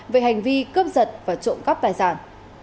về hành vi cướp giật và trộm cắp tài sản